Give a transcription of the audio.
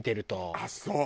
ああそう？